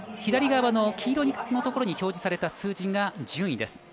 左側の黄色のところに表示された数字が順位です。